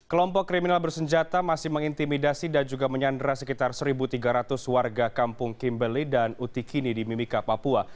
kelompok kriminal bersenjata masih mengintimidasi dan juga menyandra sekitar satu tiga ratus warga kampung kimbeli dan utikini di mimika papua